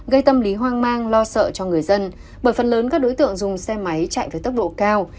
gây tâm lý hoang mang lo sợ cho người dân bởi phần lớn các đối tượng dùng xe máy chạy với tốc độ cao